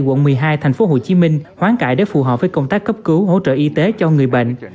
quận một mươi hai tp hcm hoán cải để phù hợp với công tác cấp cứu hỗ trợ y tế cho người bệnh